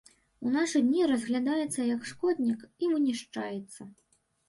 У нашы дні разглядаецца як шкоднік і вынішчаецца.